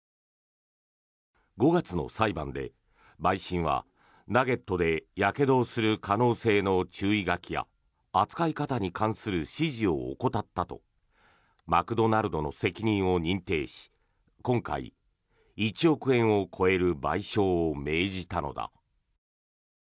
５月の裁判で陪審はナゲットでやけどをする可能性の注意書きや扱い方に関する指示を怠ったとマクドナルドの責任を認定し今回、１億円を超える賠償を命じたのだ。